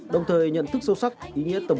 đồng thời nhận thức sâu sắc ý nghĩa tầm